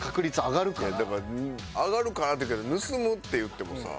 「上がるから」って言うけど盗むっていってもさ。